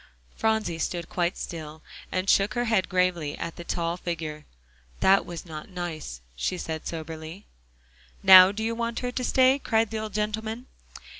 Phronsie stood quite still, and shook her head gravely at the tall figure. "That was not nice," she said soberly. "Now do you want her to stay?" cried the old gentleman.